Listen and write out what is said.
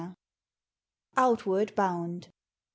OUTWARD BOUND.